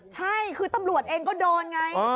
ใช่คือตำรวจเองก็โดนไง